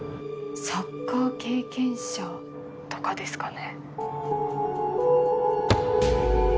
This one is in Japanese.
サッカー経験者。とかですかね。